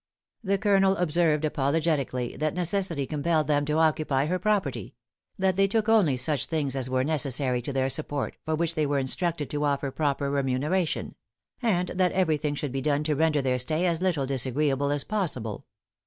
The Colonel observed apologetically, that necessity compelled them to occupy her property; that they took only such things as were necessary to their support, for which they were instructed to offer proper remuneration; and that every thing should be done to render their stay as little disagreeable as possible.